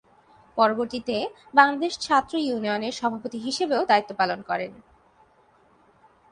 পরবর্তীতে বাংলাদেশ ছাত্র ইউনিয়নের সভাপতি হিসেবেও দায়িত্ব পালন করেন।